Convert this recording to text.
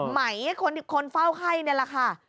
ไหมคนเฝ้าไข้นี่แหละค่ะ